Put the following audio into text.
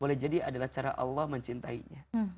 boleh jadi adalah cara allah mencintainya